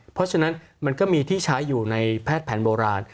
เพราะฉะนั้นมันก็มีที่ใช้อยู่ในแพทย์แผนโบราณ